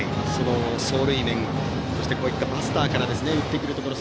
走塁面、バスターから打ってくるところ。